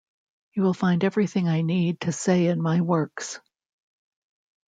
You will find everything I need to say in my works.